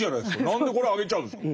何でこれあげちゃうんですか。